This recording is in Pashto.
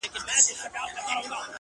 د زړګي يو انتخاب دے لا جواب دے